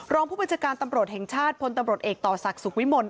รองผู้บัญชาการตำรวจแห่งชาติพลตำรวจเอกต่อศักดิ์สุขวิมล